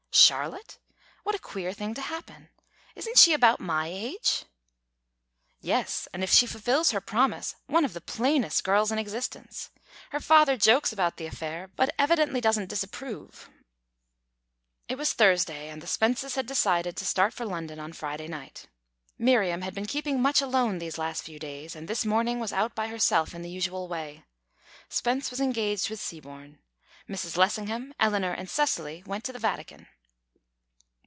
"Charlotte? What a queer thing to happen! Isn't she about my age?" "Yes; and, if she fulfils her promise, one of the plainest girls in existence. Her father jokes about the affair, but evidently doesn't disapprove." It was Thursday, and the Spences had decided to start for London on Friday night. Miriam had been keeping much alone these last few days, and this morning was out by herself in the usual way. Spence was engaged with Seaborne. Mrs. Lessingham, Eleanor, and Cecily went to the Vatican.